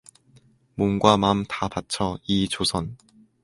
몸과 맘 다 바쳐 이 조선